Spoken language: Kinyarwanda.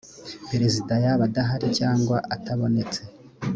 perezida yaba adahari cyangwa atabonetse